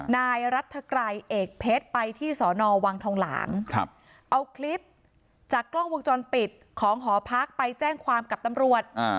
นายรัฐไกรเอกเพชรไปที่สอนอวังทองหลางเอาคลิปจากกล้องวงจรปิดของหอพักไปแจ้งความกับตำรวจ